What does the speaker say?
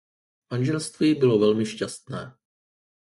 Manželství bylo velmi šťastné.